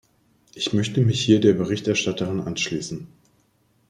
Ich möchte mich hier der Berichterstatterin anschließen.